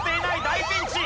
大ピンチ！